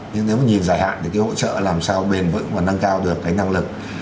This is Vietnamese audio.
nhưng nếu mà nhìn dài hạn để cái hỗ trợ làm sao bền vững và nâng cao được cái năng lực